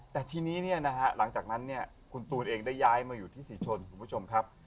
แต่ทีนี้หลังจากนั้นคุณตูนเองได้ย้ายมาอยู่ที่ศรีชนคุณผู้ชมครับ